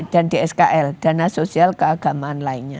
dan dskl dana sosial keagamaan lainnya